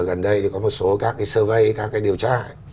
gần đây thì có một số các cái survey các cái điều tra